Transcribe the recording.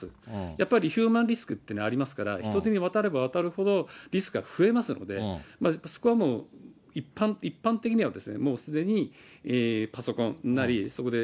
やっぱりヒューマンリスクっていうのがありますから、人手に渡れば渡るほど、リスクは増えますので、そこはもう、一般的にはもうすでにパソコンなり、そこで、